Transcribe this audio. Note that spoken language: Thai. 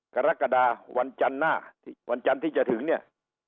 กรกฎาวันจันทร์หน้าวันจันทร์ที่จะถึงเนี่ย